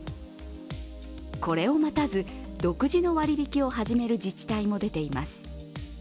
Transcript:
これを待たず、独自の割引きを始める自治体も出てきています。